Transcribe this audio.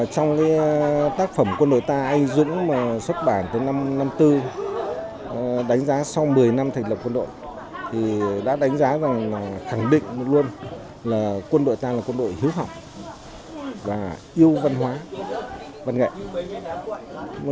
trong tác phẩm quân đội ta anh dũng xuất bản từ năm một nghìn chín trăm năm mươi bốn đánh giá sau một mươi năm thành lập quân đội thì đã đánh giá và khẳng định luôn là quân đội ta là quân đội hiếu học và yêu văn hóa văn nghệ